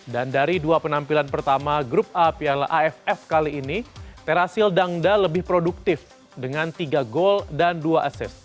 dan dari dua penampilan pertama grup a piala aff kali ini tirasil dangda lebih produktif dengan tiga gol dan dua ases